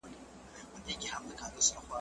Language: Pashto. یا د میني په امید یو تخنوي مو راته زړونه ,